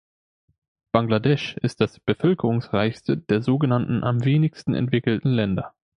Bangladesch ist das bevölkerungsreichste der so genannten am wenigsten entwickelten Länder.